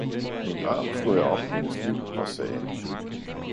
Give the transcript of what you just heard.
min arm slog jeg om hendes liv og sagde.